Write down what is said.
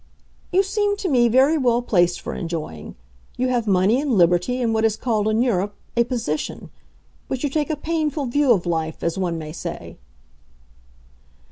"You seem to me very well placed for enjoying. You have money and liberty and what is called in Europe a 'position.' But you take a painful view of life, as one may say."